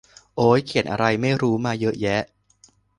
โอ้ย เขียนอะไรไม่รู้มาเยอะแยะ